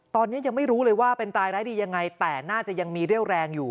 ตอนนี้ยังไม่รู้เลยว่าเป็นตายร้ายดียังไงแต่น่าจะยังมีเรี่ยวแรงอยู่